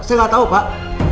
saya gak tau pak